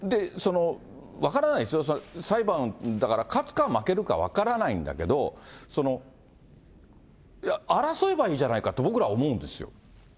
分からないですよ、裁判だから勝つか負けるか分からないんだけど、争えばいいじゃないかって、僕らは思うんですよ。